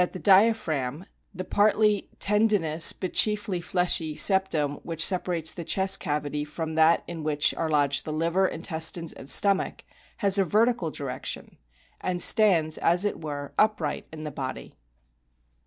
SOME INTERNAL STRUCTURES 55 diaphragm, the partly tendinous, but chiefly fleshy, septum which separates the chest cavity from that in which are lodged the liver, intestines, and stomach, has a vertical direction, and stands, as it were, upright in the body.